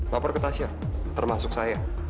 lapor ke tasya termasuk saya